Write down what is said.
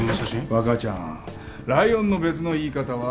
若ちゃんライオンの別の言い方は？